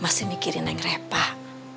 masih mikirin yang repah